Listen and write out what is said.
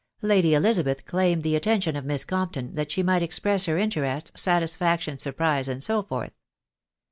Lady Elizabeth claimed the attention of Miss Compton, that she might express her in terest, satisfaction, surprise, and so forth.